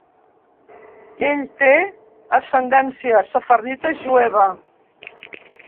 Ell té ascendència sefardita jueva.